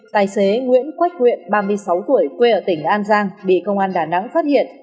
tài xế nguyễn quách nguyện ba mươi sáu tuổi quê ở tỉnh an giang bị công an đà nẵng phát hiện